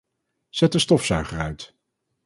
Zet de stofzuiger uit.